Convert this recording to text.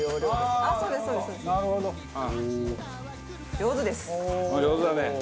上手だね。